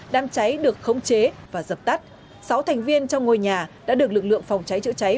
đám cháy được khống chế và dập tắt sáu thành viên trong ngôi nhà đã được lực lượng phòng cháy chữa cháy